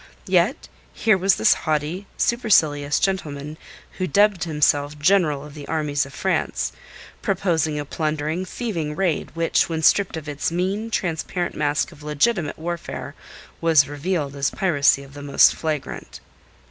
Yet here was this haughty, supercilious gentleman, who dubbed himself General of the Armies of France, proposing a plundering, thieving raid which, when stripped of its mean, transparent mask of legitimate warfare, was revealed as piracy of the most flagrant.